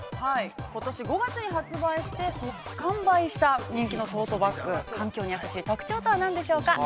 ことし５月に発売して、即完売した、人気のトートバッグ、環境に優しい特徴は何でしょうか。